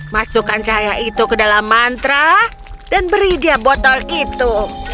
masukkan cahaya itu ke dalam mantra dan beri dia botol itu